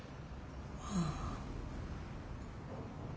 ああ。